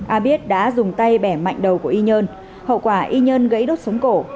a biết đã dùng tay bẻ mạnh đầu của y nhân hậu quả y nhân gãy đốt sống cổ